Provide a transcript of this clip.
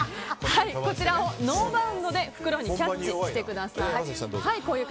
こちらをノーバウンドで袋にキャッチしてください。